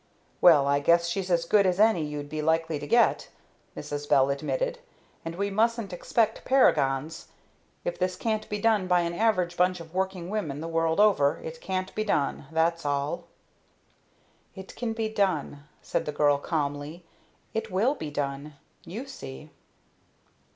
"Well, I guess she's as good as any you'd be likely to get," Mrs. Bell admitted, "and we mustn't expect paragons. If this can't be done by an average bunch of working women the world over, it can't be done that's all!" "It can be done," said the girl, calmly. "It will be done. You see."